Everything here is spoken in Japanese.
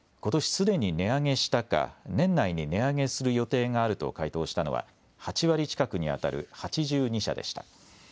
すでに値上げしたか年内に値上げする予定があると回答したのは８割近くにあたる８２社でした。